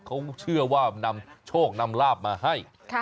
เขาเชื่อว่านำโชคนำลาบมาให้